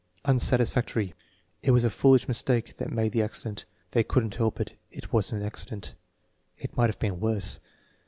Unsatisfactory. "It was a foolish mistake that made the acci dent." "They could n't help it. It was an accident" "It might have been worse."